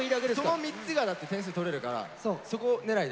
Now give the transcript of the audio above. その３つ以外だって点数取れるからそこ狙いで。